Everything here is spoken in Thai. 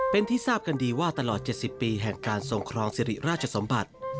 เป็นที่ทราบกันดีว่าตลอด๗๐ปีแห่งการทรงครองสิริราชสมบัติ